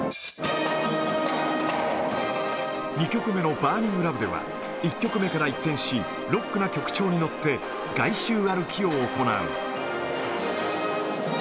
２曲目のバーニング・ラブでは、１曲目から一転し、ロックな曲調に乗って外周歩きを行う。